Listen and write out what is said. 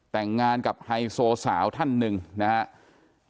แต่งงานกับไฮโซสาวท่านหนึ่งนะครับ